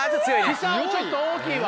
ひさおちょっと大きいわ。